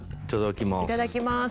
いただきます。